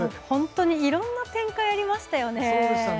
本当に、いろいろな展開がありましたね。